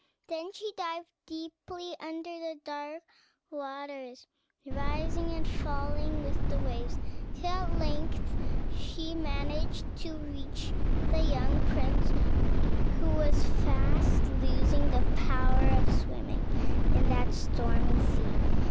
Then she dived deeply under the dark waters, rising and falling with the waves, till at length she managed to reach the young prince, who was fast losing the power of swimming in that stormy sea.